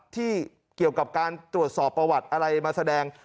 ที่เกี่ยวกับการตรวจสอบประวัติอะไรมาแสดง